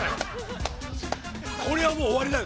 これはもうおわりだよ